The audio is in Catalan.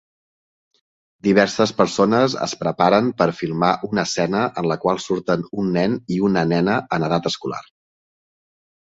Diverses persones es preparen per filmar una escena en la qual surten un nen i una nena en edat escolar.